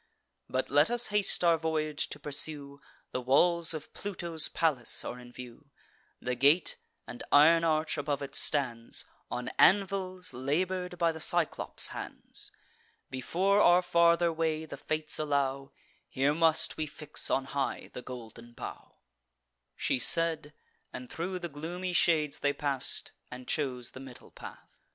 But let us haste our voyage to pursue: The walls of Pluto's palace are in view; The gate, and iron arch above it, stands On anvils labour'd by the Cyclops' hands. Before our farther way the Fates allow, Here must we fix on high the golden bough." She said, and thro' the gloomy shades they pass'd, And chose the middle path.